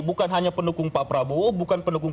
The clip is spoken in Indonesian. bukan hanya pendukung pak prabowo bukan pendukung